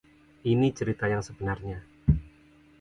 Ini cerita yang sebenarnya.